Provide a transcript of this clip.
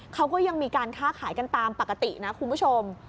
เขาก็ยังมีการค้าขายกันตามปกตินะคุณผู้ชม